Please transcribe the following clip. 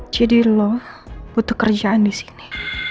jadi lo butuh kerjaan di sini